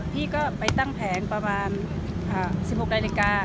พี่ก็ไปตั้งแผนประมาณ๑๖นาฬิกา